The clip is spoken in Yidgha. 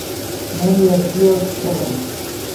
من یرشِیو کیشچے غیم